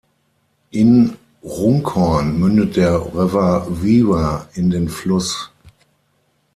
In Runcorn mündet der River Weaver in den Fluss.